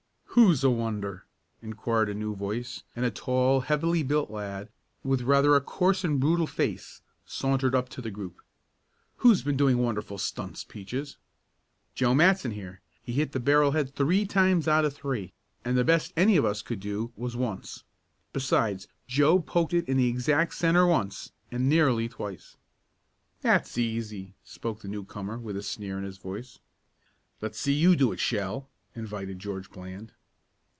"Who's a wonder?" inquired a new voice, and a tall heavily built lad, with rather a coarse and brutal face, sauntered up to the group. "Who's been doing wonderful stunts, Peaches?" "Joe Matson here. He hit the barrel head three times out of three, and the best any of us could do was once. Besides, Joe poked it in the exact centre once, and nearly twice." "That's easy," spoke the newcomer, with a sneer in his voice. "Let's see you do it, Shell," invited George Bland.